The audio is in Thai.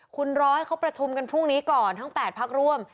คุณร้อยเขาประชุมกันพรุ่งนี้ก่อนทั้ง๘พักร่วม